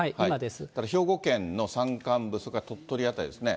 兵庫県の山間部、それから鳥取辺りですね。